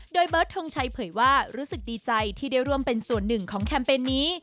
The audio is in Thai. โดยเบิร์ดทงชัยเผยว่ารู้สึกดีใจที่ได้ร่วมเป็นส่วนหนึ่งของแคมเปญนี้